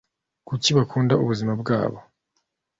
kuki bakunda ubuzima bwabo